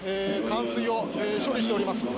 冠水を処理しております